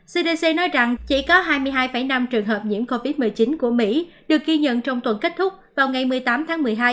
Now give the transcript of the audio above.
cdc nói rằng chỉ có hai mươi hai năm trường hợp nhiễm covid một mươi chín của mỹ được ghi nhận trong tuần kết thúc vào ngày một mươi tám tháng một mươi hai